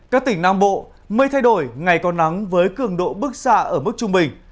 các tỉnh nam bộ mây thay đổi ngày có nắng với cường độ bước xa ở mức trung bình